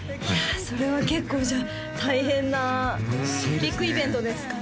それは結構じゃあ大変なビッグイベントですかね？